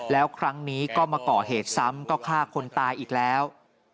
แล้วครั้งนี้ก็มาก่อเหตุซ้ำก็ฆ่าคนตายอีกแล้ว